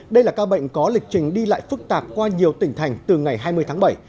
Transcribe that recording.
đây là ca bệnh có lịch trình đi lại phức tạp qua nhiều tỉnh thành từ ngày hai mươi tháng bảy